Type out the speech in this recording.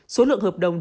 số lượng hợp đồng